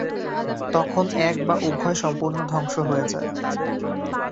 তখন এক বা উভয় সম্পূর্ণ ধ্বংস হয়ে যায়।